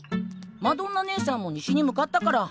マドンナねえさんも西に向かったから。